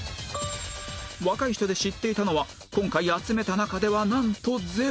若い人で知っていたのは今回集めた中ではなんと０